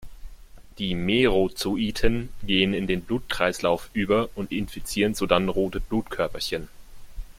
Die "Merozoiten" gehen in den Blutkreislauf über und infizieren sodann rote Blutkörperchen.